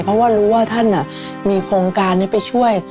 เพราะว่ารู้ว่าท่านมีโครงการนี้ไปช่วย